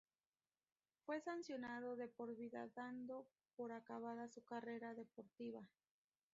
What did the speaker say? Fue sancionado de por vida, dando por acabada su carrera deportiva.